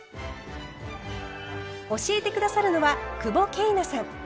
教えて下さるのは久保桂奈さん。